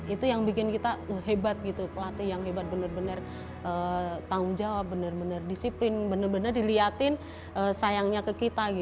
itu yang bikin kita hebat gitu pelatih yang hebat benar benar tanggung jawab benar benar disiplin benar benar dilihatin sayangnya ke kita